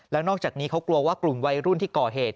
แล้วนอกจากนี้เขากลัวว่ากลุ่มวัยรุ่นที่ก่อเหตุ